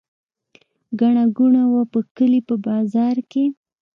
ګڼه ګوڼه وه په کلي په بازار کې.